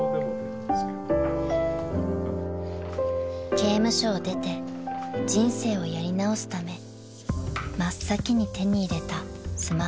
［刑務所を出て人生をやり直すため真っ先に手に入れたスマホ］